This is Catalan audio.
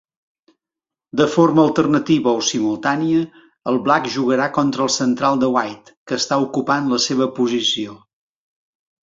De forma alternativa o simultània, el Black jugarà contra el central de White, que està ocupant la seva posició.